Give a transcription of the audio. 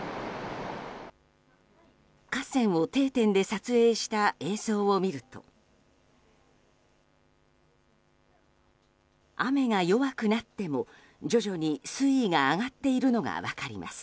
河川を定点で撮影した映像を見ると雨が弱くなっても、徐々に水位が上がっているのが分かります。